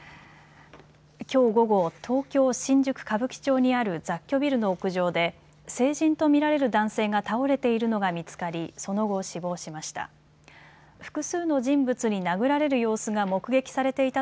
きょう午後、東京新宿歌舞伎町にある雑居ビルの屋上で成人と見られる男性が倒れているのが見つかりその後、死亡しました。